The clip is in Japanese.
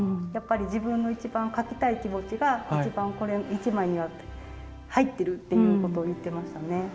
やっぱり自分の一番描きたい気持ちが一番これ１枚には入ってるっていうことを言ってましたね。